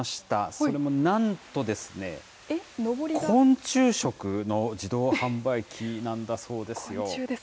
それもなんとですね、昆虫食の自動販売機なんだそうですよ。